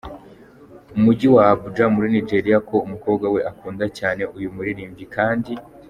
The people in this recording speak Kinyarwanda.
mujyi wa Abuja muri Nigeria ko umukobwa we akunda cyane uyu muririmbyi kandi.